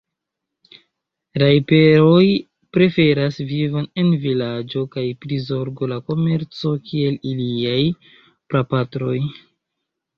Rajper-oj preferas vivon en vilaĝo kaj prizorgo la komerco kiel iliaj prapatroj.